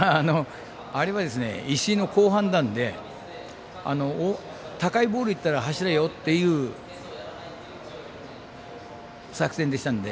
あれは石井の好判断で高いボールいったら走れよっていう作戦でしたので。